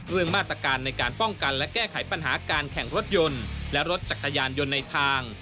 เรื่องมาตรการในการป้องกันและแก้ไขปัญหาการแข่งรถยนต์และรถจักรยานยนต์ในทาง